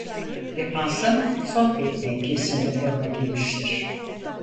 Defansın sol bek mevkiisinde forma giymiştir.